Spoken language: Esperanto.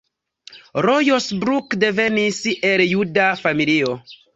Lajos Bruck devenis el juda familio.